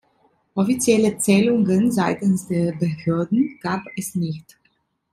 Offizielle Zählungen seitens der Behörden gab es nicht.